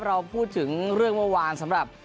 เราพูดถึงเรื่องเมื่อวานสำหรับ